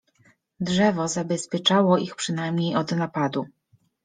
Drzewo zabezpieczało ich przynajmniej od napadu.